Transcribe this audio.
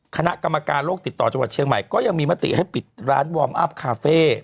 คณะกรรมการโลกติดต่อจังหวัดเชียงใหม่ก็ยังมีมติให้ปิดร้านวอร์มอัพคาเฟ่